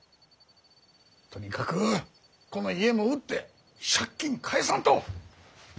とにかくこの家も売って借金返さんと！